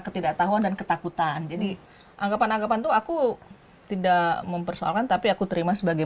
ketidaktahuan dan ketakutan jadi anggapan anggapan tuh aku tidak mempersoalkan tapi aku terima sebagai